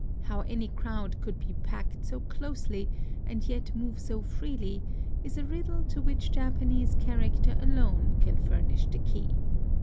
How any crowd could be packed so closely, and yet move so freely, is a riddle to which Japanese character alone can furnish the key.